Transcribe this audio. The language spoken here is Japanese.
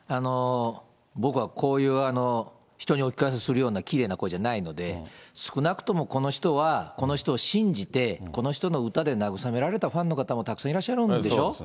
僕はこういう、人にお聞かせするようなきれいな声じゃないので、少なくともこの人は、この人を信じて、この人の歌で慰められたファンの方も、たくさんいらっしゃるんでしょ。